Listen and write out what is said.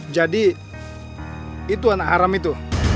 jadi itu anak aram itu